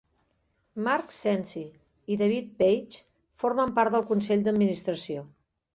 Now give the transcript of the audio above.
Mark Cenci i David Page formen part del Consell d'administració.